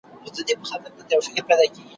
تش کوهي ته په اوبو پسي لوېدلی `